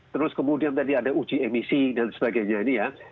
terus kemudian tadi ada uji emisi dan sebagainya ini ya